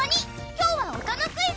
今日は音のクイズ。